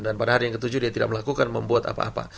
dan pada hari yang ke tujuh dia tidak melakukan membuat apa apa